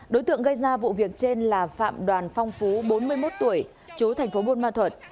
đối tượng gây ra vụ việc trên là phạm đoàn phong phú bốn mươi một tuổi chú thành phố buôn ma thuật